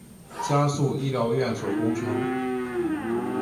加速医疗院所工程